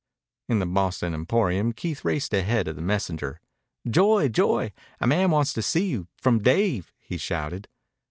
Into the Boston Emporium Keith raced ahead of the messenger. "Joy, Joy, a man wants to see you! From Dave!" he shouted.